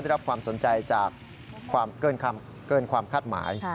รับความสนใจจากเกินความคาดหมาย